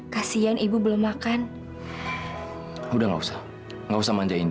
kayaknya macam ilmu diri itu bisa ambil potong